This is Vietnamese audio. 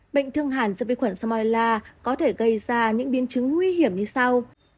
bệnh thương hẳn do vi khuẩn salmonella có thể gây ra những biến chứng nguy hiểm như sau